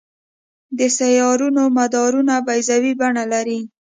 د سیارونو مدارونه بیضوي بڼه لري.